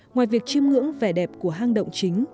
ngoài việc chiêm ngưỡng vẻ đẹp của hang động chính